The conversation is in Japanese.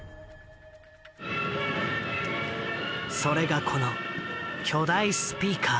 それがこの巨大スピーカー。